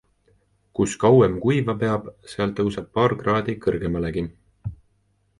Kus kauem kuiva peab, seal tõuseb paar kraadi kõrgemalegi.